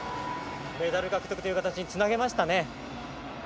メダル獲得という形につなげましたね。